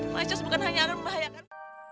mas yos bukan hanya akan membahayakan